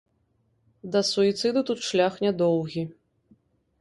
Да суіцыду тут шлях нядоўгі.